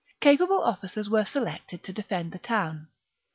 ^ Capable officers were selected to 52 b.c. defend the town.